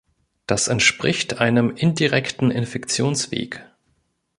Das entspricht einem indirekten Infektionsweg.